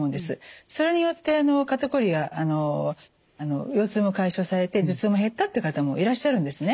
それによって肩コリや腰痛も解消されて頭痛も減ったという方もいらっしゃるんですね。